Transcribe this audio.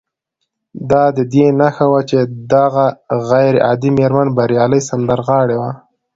دا د دې نښه وه چې دغه غير عادي مېرمن بريالۍ سندرغاړې وه